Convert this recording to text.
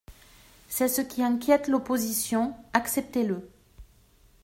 C’est ce qui inquiète l’opposition : acceptez-le.